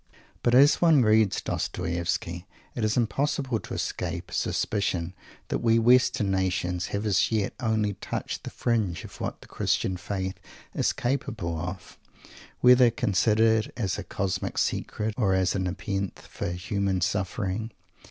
But as one reads Dostoievsky it is impossible to escape a suspicion that we Western nations have as yet only touched the fringe of what the Christian Faith is capable of, whether considered as a cosmic secret or as a Nepenthe for human suffering.